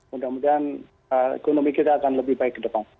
mudah mudahan ekonomi kita akan lebih baik ke depan